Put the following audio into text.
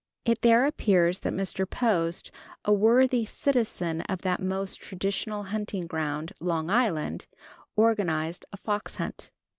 It there appears that Mr. Post, a worthy citizen of that most traditional hunting ground, Long Island, organized a fox hunt.